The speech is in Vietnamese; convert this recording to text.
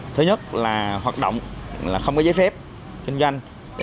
thứ nhất là hoạt động không có giấy phép kinh doanh